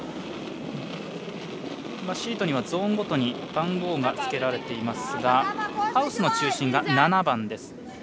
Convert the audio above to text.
シートにはゾーンごとに番号がつけられていますがハウスの中心が７番です。